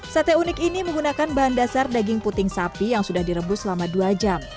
sate unik ini menggunakan bahan dasar daging puting sapi yang sudah direbus selama dua jam